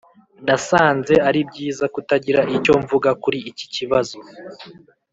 ] nasanze ari byiza kutagira icyo mvuga kuri iki kibazo.